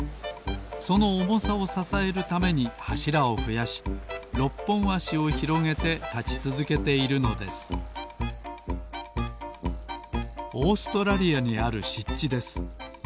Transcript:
そのおもさをささえるためにはしらをふやし６ぽんあしをひろげてたちつづけているのですオーストラリアにあるしっちです。